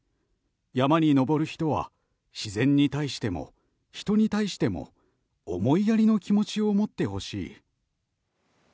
山に登る人は自然に対しても、人に対しても思いやりの気持ちを持ってほしい。